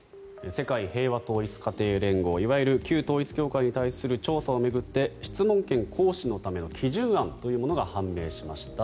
世界平和統一家庭連合いわゆる旧統一教会に対する調査を巡って質問権行使のための基準案が判明しました。